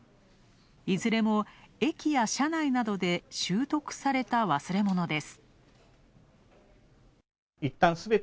いずれも駅や車内などで拾得された忘れ物です。